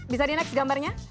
bisa di next gambarnya